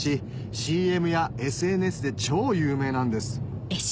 ＣＭやＳＮＳで超有名なんです